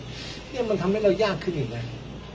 นี่มันทำให้เรายากขึ้นอีกไหม